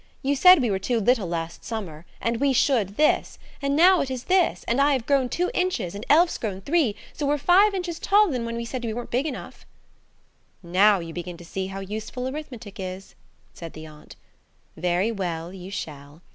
You said we were too little last summer, and we should this, and now it is this and I have grown two inches and Elf's grown three, so we're five inches taller than when you said we weren't big enough." "Now you see how useful arithmetic is," said the aunt. "Very well, you shall.